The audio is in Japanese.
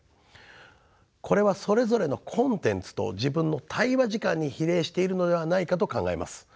これはそれぞれのコンテンツと自分の対話時間に比例しているのではないかと考えます。